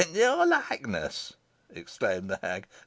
"In your likeness!" exclaimed the hag.